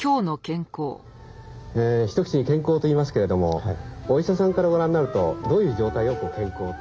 一口に健康と言いますけれどもお医者さんからご覧になるとどういう状態を健康と。